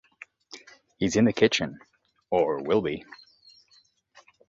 He's in the kitchen — or will be.